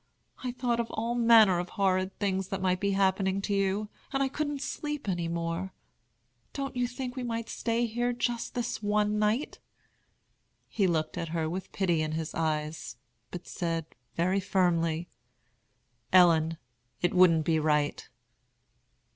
I thought of all manner of horrid things that might be happening to you, and I couldn't sleep any more. Don't you think we might stay here just this one night?" He looked at her with pity in his eyes, but said, very firmly, "Ellen, it wouldn't be right."